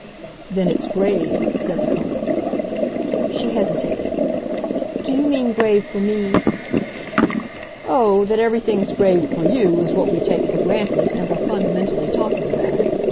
"Then it's grave," said the Colonel. She hesitated. "Do you mean grave for me?" "Oh, that everything's grave for 'you' is what we take for granted and are fundamentally talking about.